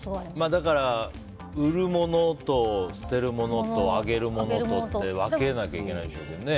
だから、売るものと捨てるものと、あげるものとって分けなきゃいけないでしょうけどね。